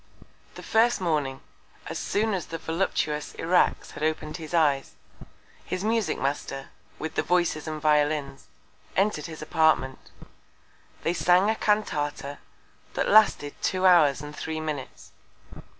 The first Morning, as soon as the voluptuous Irax had open'd his Eyes, his Musick Master, with the Voices and Violins, entred his Apartment. They sang a Cantata, that lasted two Hours and three Minutes.